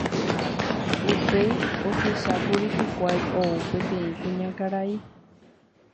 Upéi ohechákuri hikuái ou peteĩ kuñakarai